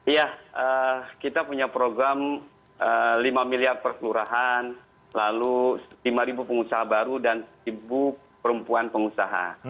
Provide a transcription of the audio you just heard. iya kita punya program lima miliar perkelurahan lalu lima pengusaha baru dan satu perempuan pengusaha